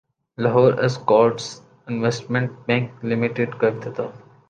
Lahore Escorts investment bank لمیٹڈکاافتتاح